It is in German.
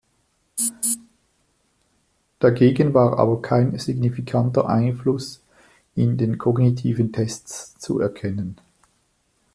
Dagegen war aber kein signifikanter Einfluss in den kognitiven Tests zu erkennen.